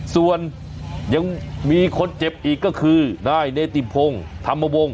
ส่วนยังมีคนเจ็บอีกก็คือนายเนติพงศ์ธรรมวงศ